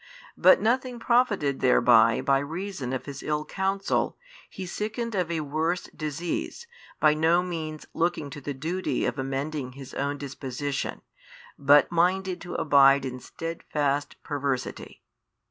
But nothing profited thereby by reason of his ill counsel, he sickened of a worse disease, by no means looking to the duty of amending his own disposition, but minded to abide in steadfast perversity.